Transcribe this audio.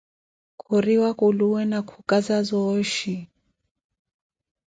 Khuliwa kuluwe na khucaza ooxhi.